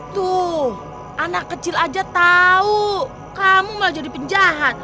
tuh anak kecil aja tahu kamu malah jadi penjahat